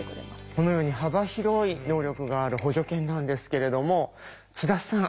このように幅広い能力がある補助犬なんですけれども津田さん